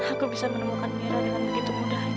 aku bisa menemukan mira dengan begitu mudah